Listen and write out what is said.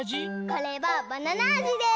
これはバナナあじです！